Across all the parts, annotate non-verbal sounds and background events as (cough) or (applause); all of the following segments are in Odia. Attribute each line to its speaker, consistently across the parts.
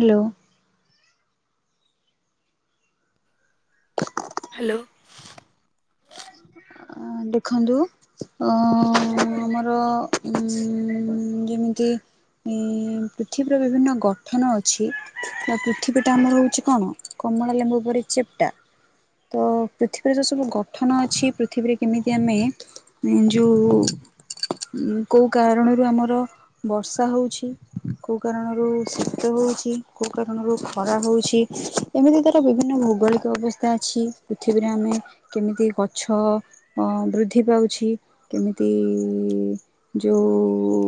Speaker 1: ହ୍ୟାଲୋ।
Speaker 2: ହ୍ୟାଲୋ।
Speaker 1: (unintelligible) ଅ ଦେଖନ୍ତୁ ଅଁ ଆମର ଉଁ ଯେମିତି (unintelligible) ପୃଥିବୀ ର ବିଭିନ୍ନ ଗଠନ ଅଛି ତ ପୃଥିବୀ ଟା ଆମର ହେଉଛି କଣ? କମଳା ଲେମ୍ବୁ ପରି ଚେପ୍ଟା ତ ପୃଥିବୀ ର ସବୁ ଗଠନ ଅଛି ପୃଥିବୀ ରେ କେମିତି ଆମେ ଯୋଉ କୋଉ କାରଣ ରୁ ଆମର ବର୍ଷା ହଉଛି କୋଉ କାରଣ ରୁ ଶୀତ ହୋଉଛି। କୋଉ କାରଣ ରୁ ଖରା ହୋଉଛି ଏମିତି ତାର ବିଭିନ୍ନ ଭୌଗଳିକ ଅବସ୍ଥା ଅଛି ପୃଥିବୀ ରେ ଆମେ କେମିତି ଗଛ ଅ ବୃଦ୍ଧି ପାଉଛି କେମିତି ଯୋଉ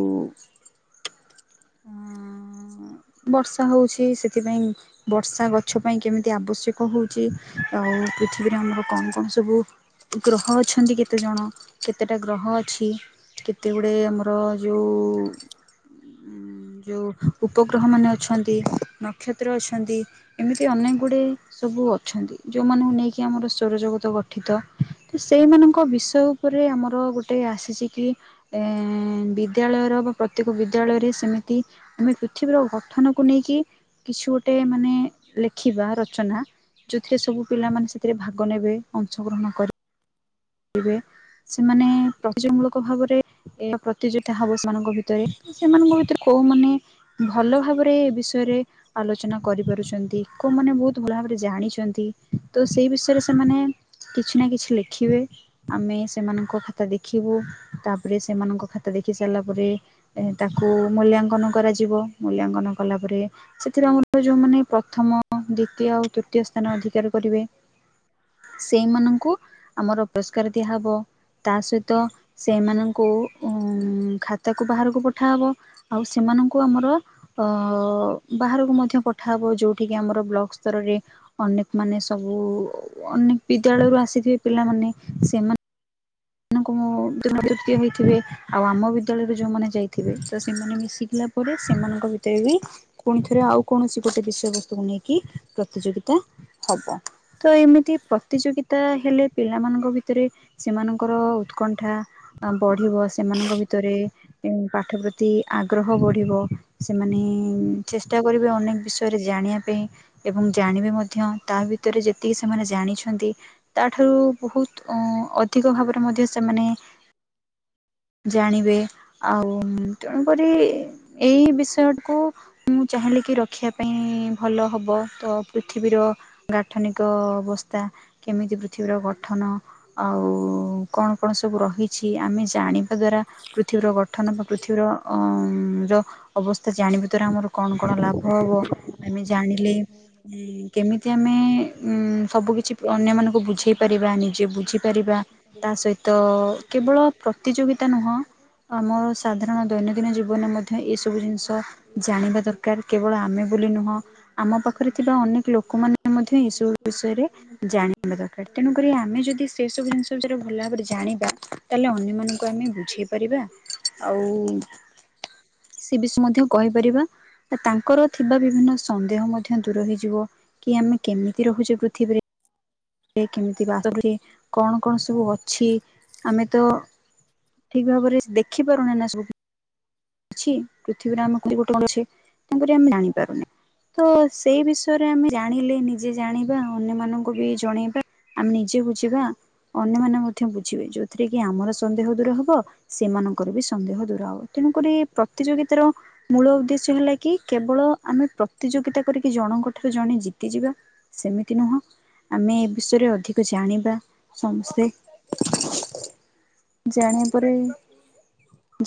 Speaker 1: ହଁ ବର୍ଷା ହଉଛି ସେଥିପାଇଁ ବର୍ଷା ଗଛ ପାଇଁ କେମିତି ଆବଶ୍ୟକ ହଉଛି? ଆଉ ପୃଥିବୀରେ ଆମର କଣ କଣ ସବୁ ଗ୍ରହ ଅଛନ୍ତି କେତେ ଜଣ? କେତେଟା ଗ୍ରହ ଅଛି? କେତେଗୁଡେ ଆମର ଯୋଉ ଯୋଉ ଉପଗ୍ରହ ମାନେ ଅଛନ୍ତି ନକ୍ଷତ୍ର ଅଛନ୍ତି। ଏମିତି ଅନେକ ଗୁଡ଼ିଏ ସବୁ ଅଛନ୍ତି ଯୋଉମାନଙ୍କୁ ନେଇ କି ଆମର ସୌରଜଗତ ଗଠିତ। ତ ସେଇମାନଙ୍କ ବିଷୟ ଉପରେ ଆମର ଗୋଟେ ଆସିଛି କି ଏ ବିଦ୍ୟାଳୟ ର ବା ପ୍ରତ୍ୟେକ ବିଦ୍ୟା ବିଦ୍ୟାଳୟରେ ସେମିତି ଆମେ ପୃଥିବୀର ଗଠନକୁ ନେଇକି କିଛି ଗୋଟେ ମାନେ ଲେଖିବା ରଚନା। ଯୋଉଥିରେ ସବୁ ପିଲାମାନେ ସେଥିରେ ଭାଗ ନେବେ ଅଂଶଗ୍ରହଣ କରି କରିବେ। ସେମାନେ ପ୍ରତି (unintelligible) ମୂଳକ ଭାବରେ ଏ ପ୍ରତିଯୋଗିତା ହବ ସେମାନଙ୍କ ଭିତରେ ସେମାନଙ୍କ ଭିତରେ କୋଉ ମାନେ ଭଲଭାବରେ ଏ ବିଷୟରେ ଆଲୋଚନା କରିପାରୁଛନ୍ତି। କୋଉମାନେ ବହୁତ ଭଲ ଭାବରେ ଜାଣିଛନ୍ତି ତ ସେଇ ବିଷୟରେ ସେମାନେ କିଛି ନା କିଛି ଲେଖିବେ ଆମେ ସେମାନଙ୍କ ଖାତା ଦେଖିବୁ ତାପରେ ସେମାନଙ୍କ ଖାତା ଦେଖି ସାରିଲା ପରେ ଏ ତାକୁ ମୂଲ୍ୟାଙ୍କନ କରାଯିବ ମୂଲ୍ୟାଙ୍କନ କଲା ପରେ ସେଥିରେ ଆମର ଯୋଉମାନେ ପ୍ରଥମ ଦ୍ଵିତୀୟ ଆଉ ତୃତୀୟ ସ୍ଥାନ ଅଧିକାର କରିବେ ସେଇମାନଙ୍କୁ ଆମର ପୁରସ୍କାର ଦିଆହବ। ତା ସହିତ ସେଇମାନଙ୍କୁ ଉ ଖାତାକୁ ବାହାରକୁ ପଠାହବ। ଆଉ ସେମାନଙ୍କୁ ଆମର ଅ ବାହାରକୁ ମଧ୍ୟ ପଠା ହବ ଯୋଉଠିକିି ଆମର ବ୍ଲକ ସ୍ତରରେ ଅନେକ ମାନେ ସବୁ ଅନେକ ବିଦ୍ୟାଳୟ ରୁ ଆସିଥିବେ ପିଲାମାନେ। ସେମାନେ ମାନଙ୍କୁ (inaudible) ହେଇଥିବେ ଆଉ ଆମ ବିଦ୍ୟାଳୟରୁ ଯୋଉ ମାନେ ଯାଇଥିବେ ତ ସେମାନେ ମିଶିକି ଲା ପରେ ସେମାନଙ୍କ ଭିତରେ ବି ପୁଣି ଥରେ ଆଉ କୌଣସି ଗୋଟେ ବିଷୟବସ୍ତୁକୁ ନେଇକି ପ୍ରତିଯୋଗିତା ହବ। ତ ଏମିତି ପ୍ରତିଯୋଗିତା ହେଲେ ପିଲାମାନଙ୍କ ଭିତରେ ସେମାନଙ୍କ ଙ୍କର ଉତ୍କଣ୍ଠା ବଢ଼ିବ ସେମାନଙ୍କ ଭିତରେ ପାଠ ପ୍ରତି ଆଗ୍ରହ ବଢିବ। ସେମାନେ ଚେଷ୍ଟା କରିବେ ଅନେକ ବିଷୟରେ ଜାଣିବା ପାଇଁ ଏବଂ ଜାଣିବେ ମଧ୍ୟ ତା ଭିତରେ ଯେତିକି ସେମାନେ ଜାଣିଛନ୍ତି ତାଠାରୁ ବହୁତ ଅ ଅଧିକ ଭାବରେ ମଧ୍ୟ ସେମାନେ ଜାଣିବେ। ଆଉ ତେଣୁକରି ଏଇ ବିଷୟକୁ ମୁଁ ଚାହିଁଲି କି ରଖିବା ପାଇଁ ଭଲ ହବ ତ ପୃଥିବୀର ଗାଠନିକ ଅବସ୍ଥା କେମିତି ପୃଥିବୀର ଗଠନ ଆଉ ଉ କଣ କଣ ସବୁ ରହିଛି। ଆମେ ଜାଣିବା ଦ୍ୱାରା ପୃଥିବୀର ଗଠନ ବା ପୃଥିବୀର ର ଅ ମ୍ର ଅବସ୍ଥା ଜାଣିବା ଦ୍ଵାରା ଆମର କଣ କଣ ଲାଭ ହବ ଆମେ ଜାଣିଲେ କେମିତି ଆମେ ଉଁ ସବୁକିଛି ଅନ୍ୟମାନଙ୍କୁ ବୁଝେଇ ପାରିବା ନିଜେ ବୁଝିପାରିବା ତା ସହିତ କେବଳ ପ୍ରତିଯୋଗିତା ନୁହଁ ଆମ ସାଧାରଣ ଦୈନନ୍ଦିନ ଜୀବନରେ ମଧ୍ୟ ଏସବୁ ଜିନିଷ ଜାଣିବା ଦରକାର। କେବଳ ଆମେ ବୋଲି ନୁହଁ ଆମ ପାଖରେ ଥିବା ଅନେକ ଲୋକମାନେ ମଧ୍ୟ ଏସବୁ ବିଷୟରେ ଜାଣିବା ଦରକାର ତେଣୁକରି ଆମେ ଯଦି ସେ ସବୁ ଜିନିଷ ଶୟରେ ଭଲ ଭାବରେ ଜାଣିବା ତାହେଲେ ଅନ୍ୟମାନଙ୍କୁ ଆମେ ବୁଝେଇ ପାରିବା। ଆଉ ସେ ବିଷୟ ମଧ୍ୟ କହିପାରିବା ତାଙ୍କର ଥିବା ବିଭିନ୍ନ ସନ୍ଦେହ ମଧ୍ୟ ଦୂର ହେଇଯିବ କି ଆମେ କେମିତି ରହୁଛେ ପୃଥିବୀରେ କେମିତି ବାସ କଣ (unintelligible) କଣ ସବୁ ଅଛି ଆମେ ତ ଠିକ ଭାବରେ ଦେଖିପାରୁନେ ନା ସବୁ କିଛି ପୃଥିବୀରେ ଆମ ଗୋଟେ ଅଛେ ତେଣୁ ଆମେ ଜାଣି ପାରୁନେ। ତ ସେଇ ବିଷୟରେ ଆମେ ଜାଣିଲେ ନିଜେ ଜାଣିବା ଅନ୍ୟମାନଙ୍କୁ ବି ଜଣେଇବା ଆମେ ନିଜେ ବୁଝିବା ଅନ୍ୟମାନେ ମଧ୍ୟ ବୁଝିବେ ଯୋଉଥିରେ କି ଆମର ସନ୍ଦେହ ଦୂର ହବ ସେମାନଙ୍କର ବି ସନ୍ଦେହ ଦୂୁର ହବ ତେଣୁକରି ପ୍ରତିଯୋଗିତାର ମୂଳ ଉଦ୍ଦେଶ୍ୟ ହେଲା କି କେବଳ ଆମେ ପ୍ରତିଯୋଗିତା କରିକି ଜଣଙ୍କ ଠାରୁ ଜଣେ ଜିତିଯିବା ସେମିତି ନୁହଁ ଆମେ ଏ ବିଷୟରେ ଅଧିକ ଜାଣିବା ସମସ୍ତେ ଜାଣିବା ପରେ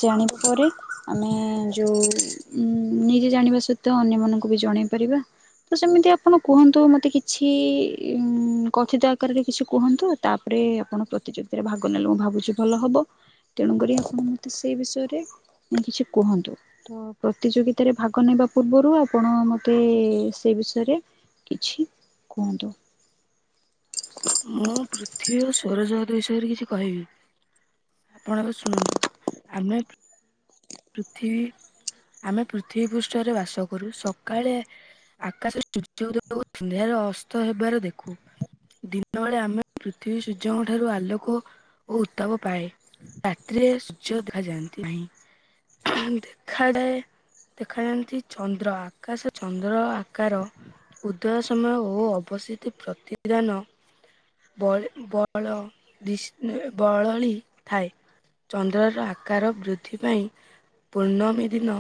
Speaker 1: ଜାଣିବା ପରେ ଆମେ ଯୋଉ ନିଜେ ଜାଣିବା ସହିତ ଅନ୍ୟ ମାନଙ୍କୁ ବି ଜଣେଇ ପାରିବା ତ ସେମିତି ଆପଣ କୁହନ୍ତୁ ମତେ କିଛି ଉଁ -କଥିତ ଆକାରରେ କିଛି କୁହନ୍ତୁ ତାପରେ ଆପଣ ପ୍ରତିଯୋଗିତାରେ ଭାଗ ନେଲେ ମୁଁ ଭାବୁଛି ଭଲ ହବ ତେଣୁ କରି ଆପଣ ମତେ ସେଇ ବିଷୟରେ କିଛି କୁହନ୍ତୁ। ତ ପ୍ରତିଯୋଗିତାରେ ଭାଗ ନେବା ପୂର୍ବରୁ ଆପଣ ମତେ ସେ ବିଷୟରେ କିଛି କୁହନ୍ତୁ।
Speaker 2: ମୁଁ ପୃଥିବୀ ସ୍ୱରଜଗତ ବିଷୟରେ କିଛି କହିବି। ଆପଣଙ୍କ ଶୁଣନ୍ତୁ ଆମେ ପୃଥିବୀ ଆମେ ପୃଥିବୀ ପୃଷ୍ଠରେ ବାସ କରୁ ସକାଳେ ଆକାଶ ରେ ସୂର୍ଯ୍ୟ ଉଦୟ (unintelligible) ଅସ୍ତ ହେବାର ଦେଖୁ। ଦିନବେଳେ ଆମେ ପୃଥିବୀ ସୂର୍ଯ୍ୟଙ୍କ ଠାରୁ ଆଲୋକ ଓ ଉତ୍ତାପ ପାଏ। ରାତିରେ ସୂର୍ଯ୍ୟ ଦେଖା ଯାଆନ୍ତି ନାହିଁ। ଦେଖାଯାଏ ଦେଖାଯାନ୍ତି ଚନ୍ଦ୍ର ଆକାଶ ଚନ୍ଦ୍ର ଆକାର ଉଦୟ ସମୟ ଓ ଅବସିଧ ପ୍ରତିଦାନ ବଳି ବଳ (unintelligible) ବଳଳି ଥାଏ। ଚନ୍ଦ୍ରର ଆକାର ବୃଦ୍ଧି ପାଇଁ ପୂର୍ଣ୍ଣମୀ ଦିନ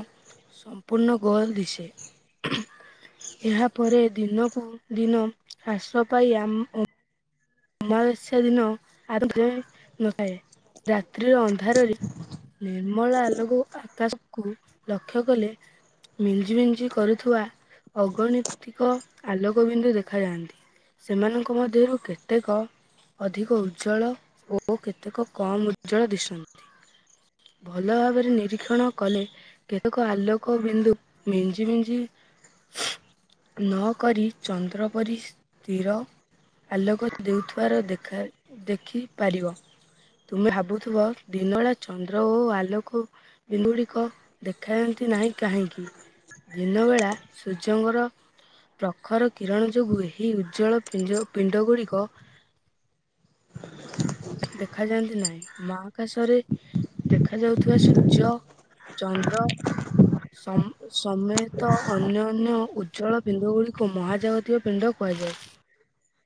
Speaker 2: ସମ୍ପୂର୍ଣ୍ଣ ଗୋଲ୍ ଦିସେ। ଏହାପରେ ଦିନକୁ ଦିନ ହ୍ରାସ ପାଇ ଆମ ଅମାବାସ୍ୟା ଦିନ ଆରମ୍ଭ ନଥାଏ ରାତ୍ରିର ଅନ୍ଧାରରେ ନିର୍ମଳ ଆଲୋକ ଆକାଶକୁ ଲକ୍ଷ୍ୟ କଲେ ମିଞ୍ଜି ମିଞ୍ଜି କରୁଥୁବା ଅଗଣିତିକ ଆଲୋକବିନ୍ଦୁ ଦେଖାଯାଆନ୍ତି। ସେମାନଙ୍କ ମଧ୍ୟରୁ କେ କେତେକ ଅଧିକ ଉଜ୍ଜ୍ୱଳ ଓ ଓ କେତେକ କମ୍ ଉଜ୍ଜ୍ୱଳ ଦିଶନ୍ତି। ଭଲ ଭାବରେ ନିରୀକ୍ଷଣ କଲେ। କେତେକ ଆଲୋକ ବିନ୍ଦୁ ମିଞ୍ଜି ମିଞ୍ଜି (unintelligible) ନ କରି ଚନ୍ଦ୍ର ପରି ସ୍ତିର ଆଲୋକ ଦେଉଥିବାର ଦେଖା ଦେଖିପାରିବ। ତୁମେ ଭାବୁଥିବ ଦିନବେଳା ଚନ୍ଦ୍ର ଓ ଆଲୋକୁ ବିନ୍ଦୁଗୁଡ଼ିକ ଦେଖାଯାଆନ୍ତି ନାହିଁ କାହିଁକି? ଦିନବେଳା ସୂର୍ଯ୍ୟଙ୍କର ପ୍ରଖର କିରଣ ଯୋଗୁଁ ଏହି ଉଜ୍ଜ୍ୱଳ ପିଞ ପିଣ୍ଡ ଗୁଡ଼ିକ ଦେଖାଯାଆନ୍ତି ନାହିଁ, ମହାକାଶରେ ଦେଖା ଯାଉଥିବା ସୂର୍ଯ୍ୟ। ଚନ୍ଦ୍ର ସମ୍ ସମେତ ଅନ୍ୟନ୍ୟ ଉଜ୍ଜଳ ପିଣ୍ଡ ଗୁଡିକୁ ମହାଜାଗତିକ ପିଣ୍ଡ କୁହାଯାଏ।
Speaker 1: (inaudible)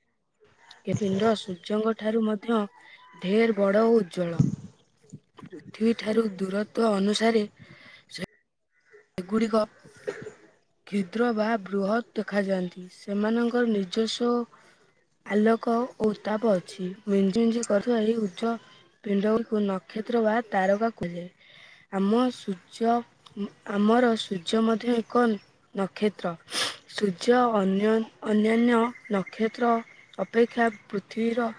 Speaker 2: କେପେନ୍ଦ୍ର ସୂର୍ଯ୍ୟଙ୍କ ଠାରୁ ମଧ୍ୟ ଢେର୍ ବଡ ଓ ଉଜ୍ଜଳ (inaudible) ପୃଥିବୀ ଠାରୁ ଏଗୁଡ଼ିକ। (inaudible) କ୍ଷ୍ୟୁଦ୍ର ବା ବୃହତ୍ ଦେଖାାଯାଆନ୍ତି। ସେମାନଙ୍କର ନିଜସ୍ଵ ଆଲୋକ ଓ ଉତ୍ତାପ ଅଛି। ମିଞ୍ଜି ମିଞ୍ଜି କରୁଥିବା ଏହି ଉଚ୍ଚ ପିଣ୍ଡଗୁଡିକୁ ନକ୍ଷତ୍ର ବା ତାରକା କୁହାଯାଏ। ଆମ ସୂର୍ଯ୍ୟ ଆମର ସୂର୍ଯ୍ୟ ମଧ୍ୟ ଏକ ନ ନକ୍ଷତ୍ର (unintelligible) ସୂର୍ଯ୍ୟ ଅନ୍ୟନ୍ ଅନ୍ୟାନ୍ୟ ନକ୍ଷତ୍ର ଅପେକ୍ଷା ପୃଥିବୀର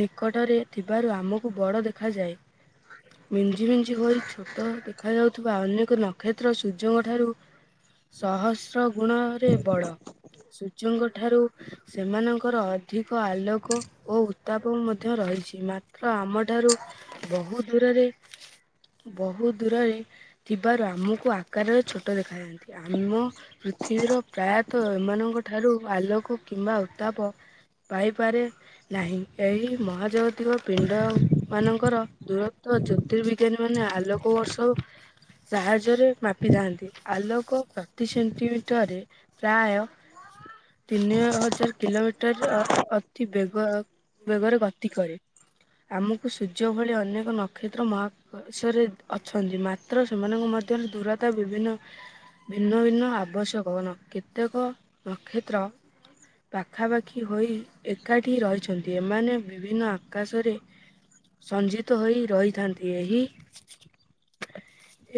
Speaker 2: ନିକଟରେ ଥିବାରୁ ଆମକୁ ବଡ଼ ଦେଖାଯାଏ। ମିଞ୍ଜି ମିଞ୍ଜି ହୋଇ ଛୋଟ ଦେଖାଯାଉଥିବା ଅନେକ ନକ୍ଷତ୍ର ସୂର୍ଯ୍ୟଙ୍କ ଠାରୁ ସହସ୍ର ଗୁଣରେ ବଡ, ସୂର୍ଯ୍ୟଙ୍କ ଠାରୁ ସେମାନଙ୍କର ଅଧିକ ଆଲୋକ ଓ ଉତ୍ତାପ ମଧ୍ୟ ରହିଛି, ମାତ୍ର ଆମ ଠାରୁ ବହୁତ୍ ଦୂରରେ ବହୁତ୍ ଦୂରରେ ଥିବାରୁ ଆମକୁ ଆକାରରେ ଛୋଟ ଦେଖାଯାଆନ୍ତି। ଆମ ପୃଥିବୀର ପ୍ରାୟତଃ ଏମାନଙ୍କ ଠାରୁ ଆଲୋକ କିମ୍ବା ଉତ୍ତାପ ପାଇପାରେ ନାହିଁ, ଏହି ମହାଜାଗତିକ ପିଣ୍ଡ ମାନଙ୍କର ଦୂରତ୍ବ ଜ୍ୟୋତିର୍ବିଜ୍ଞାନୀ ମାନେ ଆଲୋକ ବର୍ଷକୁ ସାହା ନିଜରେ ମାପିଥାନ୍ତି, ଆଲୋକ ପ୍ରତି ସେଣ୍ଟିମିଟରରେ ପ୍ରାୟ ତିନି ହଜାର କିଲୋମିଟର ମିଟର ଅ ଅତି ବେଗ ବେଗରେ ଗତି କରେ। ଆମକୁ ସୂର୍ଯ୍ୟ ଭଳି ଅନେକ ନକ୍ଷତ୍ର ମହାକାଶରେ ଅଛନ୍ତି। ମାତ୍ର ସେମାନଙ୍କ ମ ଧ୍ୟରେ ଦୂରତା ବିଭିନ୍ନ ଭିନ୍ନ ଭିନ୍ନ ଆବଶ୍ୟକ ନ କେତେକ ନକ୍ଷତ୍ର ପାଖାପାଖି ହୋଇ ଏକାଠି ରହିଛନ୍ତି, ଏମାନେ ବିଭିନ୍ନ ଆକାଶରେ ସଞ୍ଜିତ ହୋଇ ରହିଥାନ୍ତି, ଏହି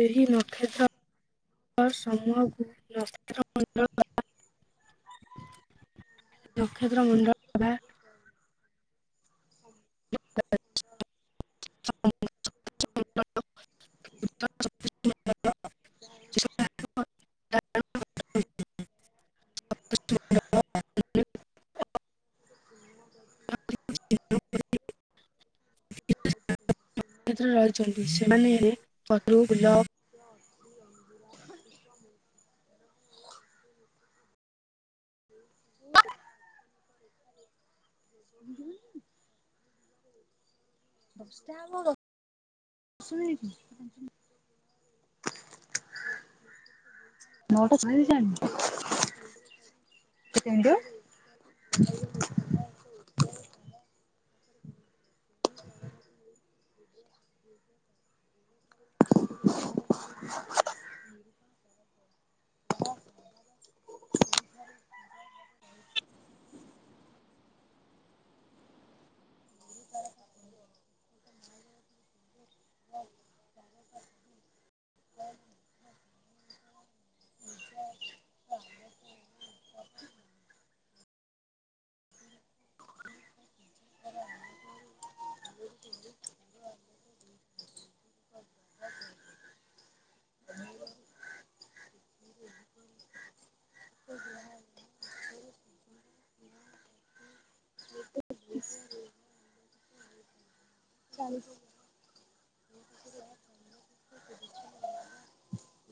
Speaker 2: ଏହି ନ (unintelligible) ଅ ସମୂହକୁ ନକ୍ଷତ୍ର ମଣ୍ଡଳ କ ନକ୍ଷତ୍ର ମଣ୍ଡଳ ବା
Speaker 1: (inaudible) (inaudible)
Speaker 2: (unintelligible) (unintelligible) ନକ୍ଷତ୍ର ରହିଛନ୍ତି, ସେମାନେ ପଦୁ ବିଲ
Speaker 1: (inaudible) (unintelligible) ହୁଁ। ଦଶଟା ହେବ ଶୋଇନି ନଅଟା ଚାଳିଶ ହେଲାଣି। ହଁ ଚାଲିଶ।